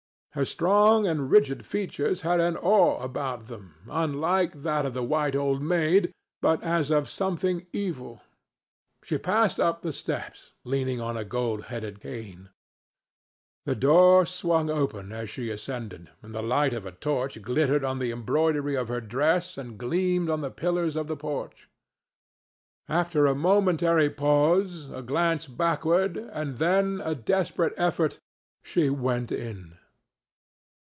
Her strong and rigid features had an awe about them unlike that of the white Old Maid, but as of something evil. She passed up the steps, leaning on a gold headed cane. The door swung open as she ascended, and the light of a torch glittered on the embroidery of her dress and gleamed on the pillars of the porch. After a momentary pause, a glance backward and then a desperate effort, she went in.